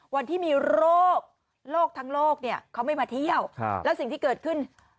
วันที่มีโรคโรคทั้งโลกเนี่ยเขาไม่มาเที่ยวแล้วสิ่งที่เกิดขึ้น